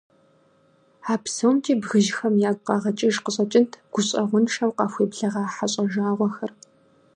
А псомкӀи бгыжьхэм ягу къагъэкӀыж къыщӀэкӀынт гущӀэгъуншэу къахуеблэгъа хьэщӀэ жагъуэхэр.